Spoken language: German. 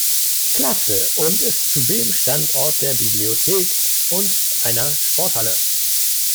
Klasse und ist zudem Standort der Bibliothek und einer Sporthalle.